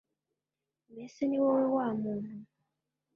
mbese ni wowe wa muntu